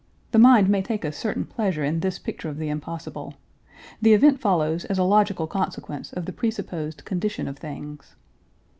The mind may take a certain pleasure in this picture of the impossible. The event follows as a logical consequence of the presupposed condition of things.